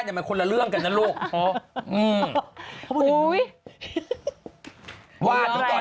เพราะหนูจะเป็นเปอร์เจนสุดท้ายของโลก